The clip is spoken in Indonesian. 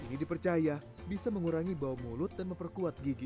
ini dipercaya bisa mengurangi bau mulut dan memperkuat gigi